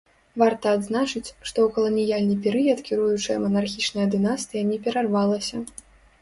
Варта адзначыць, што ў каланіяльны перыяд кіруючая манархічная дынастыя не перарвалася.